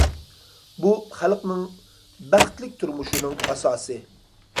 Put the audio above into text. بۇ، خەلقنىڭ بەختلىك تۇرمۇشىنىڭ ئاساسى.